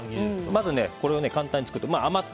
まず、これを簡単に作ります。